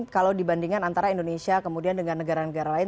kalau dibandingkan antara indonesia kemudian dengan negara negara lain